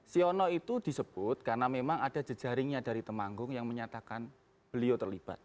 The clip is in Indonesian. siono itu disebut karena memang ada jejaringnya dari temanggung yang menyatakan beliau terlibat